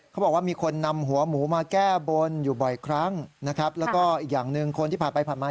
เขาบอกว่ามีคนนำหัวหมูมาแก้บนอยู่บ่อยครั้งนะครับแล้วก็อีกอย่างหนึ่งคนที่ผ่านไปผ่านมา